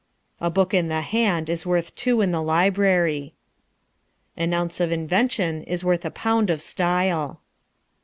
A book in the hand is worth two in the library. An ounce of invention is worth a pound of style.